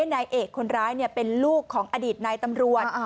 นายเอกคนร้ายเป็นลูกของอดีตนายตำรวจ